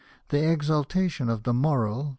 The exaltation of the moral ov.